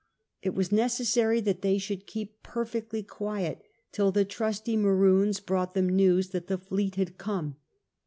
It was necessary that they should keep perfectly quiet till the trusty Maroons brought them news that the fleet had come.